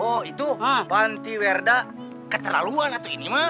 oh itu pantiwerda keteraluan atau ini mak